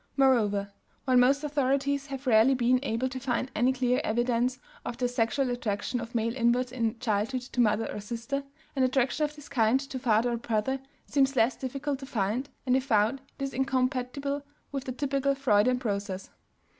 Moreover, while most authorities have rarely been able to find any clear evidence of the sexual attraction of male inverts in childhood to mother or sister, an attraction of this kind to father or brother seems less difficult to find, and if found it is incompatible with the typical Freudian process.